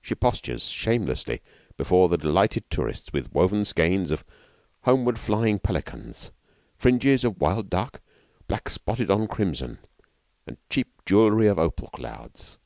She postures shamelessly before the delighted tourists with woven skeins of homeward flying pelicans, fringes of wild duck, black spotted on crimson, and cheap jewellery of opal clouds.